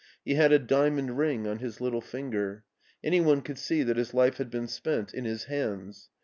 He had a diamond ring on his little fin ger. Any one could see that his life had been spent in his hands.